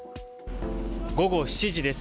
午後７時です。